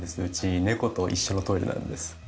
うち猫と一緒のトイレなんです。